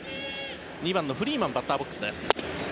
２番のフリーマンバッターボックスです。